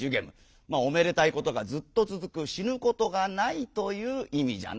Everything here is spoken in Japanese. おめでたいことがずっとつづくしぬことがないといういみじゃな」。